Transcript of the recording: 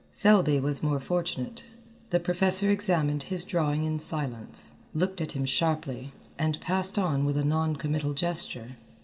Selby was more fortunate. The professor examined his drawing in silence, looked at him sharply, and passed on with a non committal gesture.